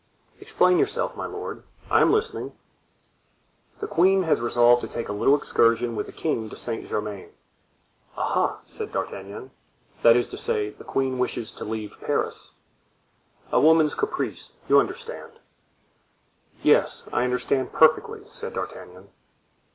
"Explain yourself, my lord, I am listening." "The queen has resolved to make a little excursion with the king to Saint Germain." "Aha!" said D'Artagnan, "that is to say, the queen wishes to leave Paris." "A woman's caprice—you understand." "Yes, I understand perfectly," said D'Artagnan.